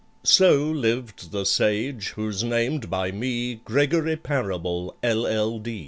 So lived the sage who's named by me GREGORY PARABLE, LL.